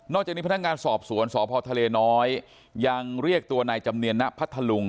นอกจากนี้พนักงานสอบสวนสอบพทนยังเรียกตัวนายจำเนียนนพัทธลุง